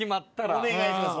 お願いします